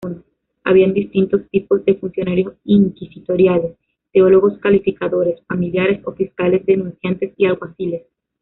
Había distintos tipos de funcionarios inquisitoriales: teólogos calificadores, familiares o fiscales denunciantes y alguaciles.